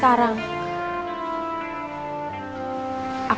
k dari astral